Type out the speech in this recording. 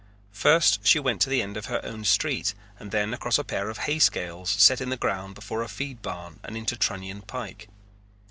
First she went to the end of her own street and then across a pair of hay scales set in the ground before a feed barn and into Trunion Pike.